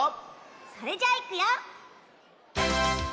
それじゃいくよ。